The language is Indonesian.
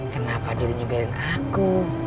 kenapa jadi nyembelin aku